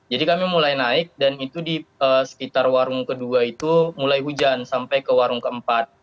jadi kami mulai naik dan itu di sekitar warung kedua itu mulai hujan sampai ke warung keempat